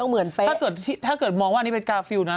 ต้องเหมือนไปถ้าเกิดถ้าเกิดมองว่าอันนี้เป็นกาฟิลล์นะ